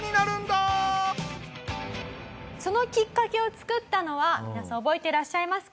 そのきっかけを作ったのは皆さん覚えてらっしゃいますか？